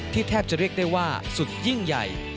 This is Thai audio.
แทบจะเรียกได้ว่าสุดยิ่งใหญ่